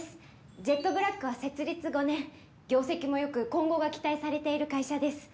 ジェットブラックは設立５年業績もよく今後が期待されている会社です